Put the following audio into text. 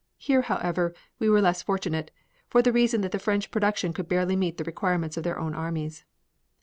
Here, however, we were less fortunate, for the reason that the French production could barely meet the requirements of their own armies.